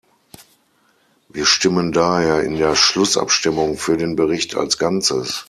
Wir stimmen daher in der Schlussabstimmung für den Bericht als Ganzes.